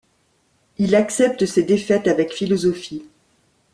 Il accepte ses défaites avec philosophie.